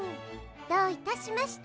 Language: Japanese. どういたしまして。